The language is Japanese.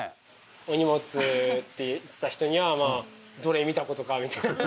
「お荷物」って言った人にはまあ「どれ見たことか」みたいな。